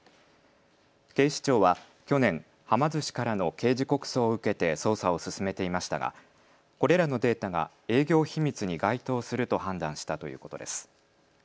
警視庁は去年、はま寿司からの刑事告訴を受けて捜査を進めていましたがこれらのデータが営業秘密に該当すると判断したということです。